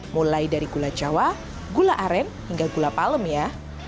mulai dari gula jawa gula aren hingga gula palem ya